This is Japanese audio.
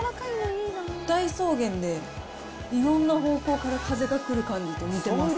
大草原でいろんな方向から風が来る感じと似てます。